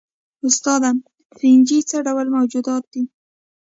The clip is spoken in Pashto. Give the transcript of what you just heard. استاده فنجي څه ډول ژوندي موجودات دي